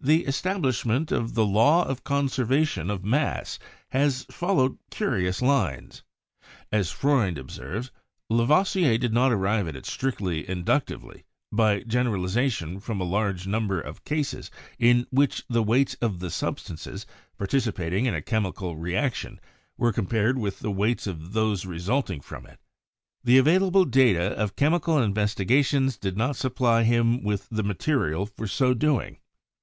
The establishment of the law of the conservation of mass has followed curious lines. As Freund observes, Lavoisier did not arrive at it strictly inductively, by gen eralization from a large number of cases in which the weights of the substances participating in a chemical reac tion were compared with the weights of those resulting from it. The available data of chemical investigations did not supply him with the material for so doing.